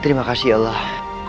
terima kasih ya allah